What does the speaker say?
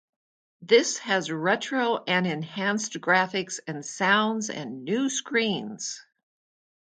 This has retro and enhanced graphics and sounds and new screens.